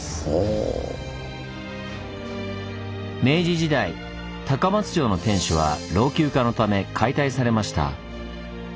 明治時代高松城の天守は老朽化のため解体されました。